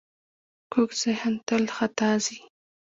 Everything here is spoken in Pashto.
کوږ ذهن تل خطا ځي